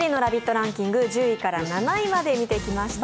ランキング１０位から７位まで見てきました。